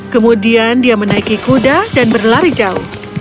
kemudian dia menaiki kuda dan berlari jauh